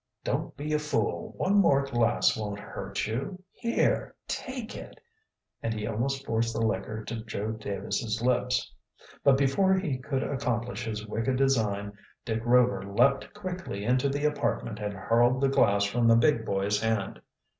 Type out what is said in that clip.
"Don't be a fool. One more glass won't hurt you. Here, take it," and he almost forced the liquor to Joe Davis's lips. But before he could accomplish his wicked design Dick Rover leaped quickly into the apartment and hurled the glass from the big boy's hand.